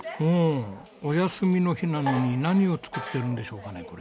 うんお休みの日なのに何を作ってるんでしょうかね？